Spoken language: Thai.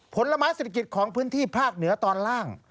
ผลไม้เศรษฐกิจของพื้นที่ภาคเหนือตอนล่าง